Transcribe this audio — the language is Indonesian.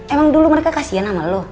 emang dulu mereka kasihan sama lu